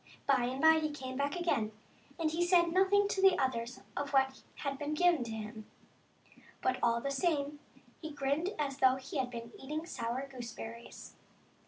By and by he came back again, but he said nothing to the others of what had been given to him; but all the same he grinned as though he had been eating sour gooseberries.